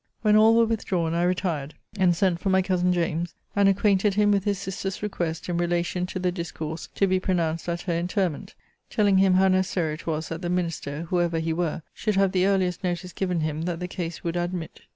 When all were withdrawn, I retired, and sent for my cousin James, and acquainted him with his sister's request in relation to the discourse to be pronounced at her interment; telling him how necessary it was that the minister, whoever he were, should have the earliest notice given him that the case would admit.